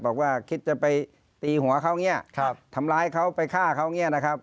บอกว่าคิดจะไปตีหัวเขาอย่างนี้ทำร้ายเขาไปฆ่าเขาอย่างนี้นะครับ